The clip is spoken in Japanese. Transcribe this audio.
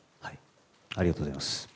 ありがとうございます。